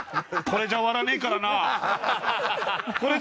これじゃ終わらねえからな！